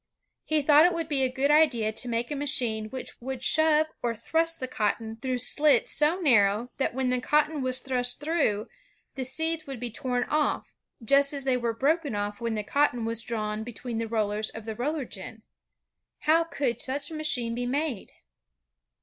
He thought it would be a good idea to make a machine which would shove or thrust the cotton through sUts so narrow that when the cotton was thrust through, the seeds would be torn off, just as they were broken off when the cotton was drawn between the rollers of the roller gin. How could such a machine be made?